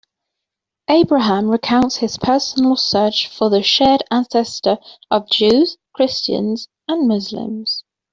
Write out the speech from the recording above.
"Abraham" recounts his personal search for the shared ancestor of Jews, Christians, and Muslims.